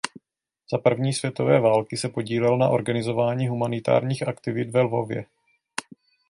Za první světové války se podílel na organizování humanitárních aktivit ve Lvově.